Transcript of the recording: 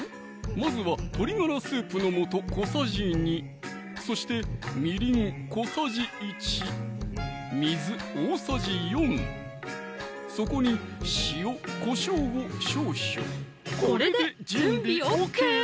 まずは鶏ガラスープの素小さじ２そしてみりん小さじ１水大さじ４そこに塩・こしょうを少々これで準備ＯＫ！